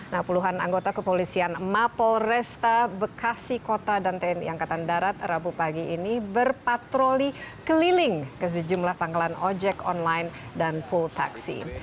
nah puluhan anggota kepolisian mapol resta bekasi kota dan tni angkatan darat rabu pagi ini berpatroli keliling ke sejumlah pangkalan ojek online dan pool taksi